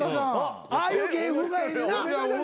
ああいう芸風がええねんな？